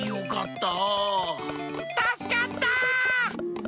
たすかった！